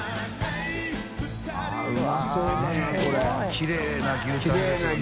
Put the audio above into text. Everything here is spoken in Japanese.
きれいな牛タンですよね。